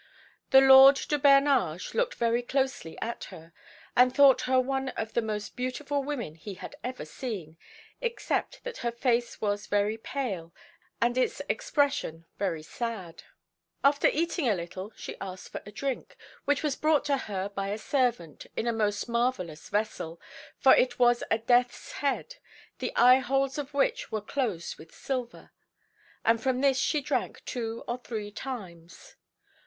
The Lord de Bernage looked very closely at her, and thought her one of the most beautiful women he had ever seen, except that her face was very pale, and its expression very sad. After eating a little, she asked for drink, which was brought to her by a servant in a most marvellous vessel, for it was a death's head, the eyeholes of which were closed with silver; and from this she drank two or three times.